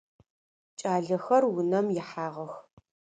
Кӏалэхэр унэм ихьагъэх.